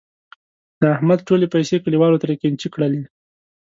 د احمد ټولې پیسې کلیوالو ترې قېنچي کړلې.